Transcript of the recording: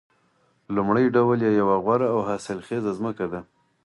لومړی ډول یې یوه غوره او حاصلخیزه ځمکه ده